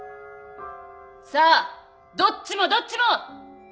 さあどっちもどっちも！